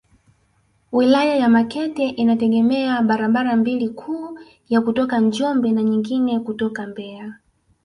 Wilaya ya Makete inategemea barabara mbili kuu ya kutoka Njombe na nyingine kutoka Mbeya